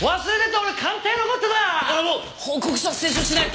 俺も報告書清書しないと。